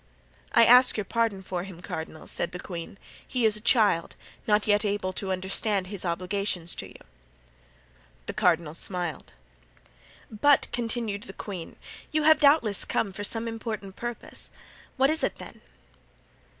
"I ask your pardon for him, cardinal," said the queen; "he is a child, not yet able to understand his obligations to you." The cardinal smiled. "But," continued the queen, "you have doubtless come for some important purpose. What is it, then?"